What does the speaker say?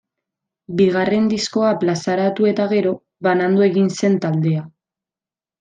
Bigarren diskoa plazaratu eta gero, banandu egin zen taldea.